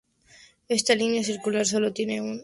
Esta línea circular solo tiene un sentido ya descrito.